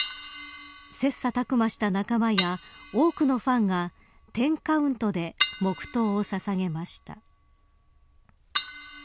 切磋琢磨した仲間や多くのファンがテンカウントで黙とうをささげました。